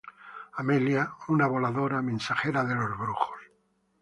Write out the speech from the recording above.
Amelia: Una voladora, mensajera de los brujos.